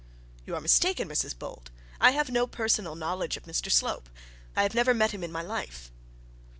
'You are mistaken, Mrs Bold. I have no personal knowledge of Mr Slope; I have never met him in my life.'